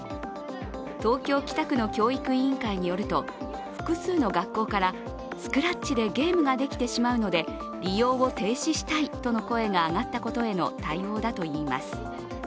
東京・北区の教育委員会によると、複数の学校からスクラッチでゲームができてしまうので、利用を停止したいとの声が上がったことへの対応だといいます。